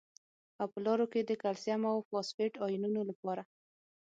او په لاړو کې د کلسیم او فاسفیټ ایونونو لپاره